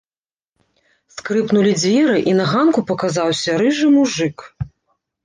Скрыпнулі дзверы, і на ганку паказаўся рыжы мужык.